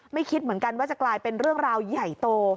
คิดเหมือนกันว่าจะกลายเป็นเรื่องราวใหญ่โต